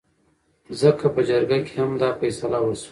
ځکه په جرګه کې هم دا فيصله وشوه